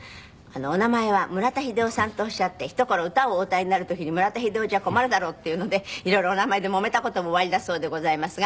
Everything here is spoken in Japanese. お名前は村田秀雄さんとおっしゃってひと頃歌をお歌いになる時に村田秀雄じゃ困るだろうっていうので色々お名前でもめた事もおありだそうでございますが。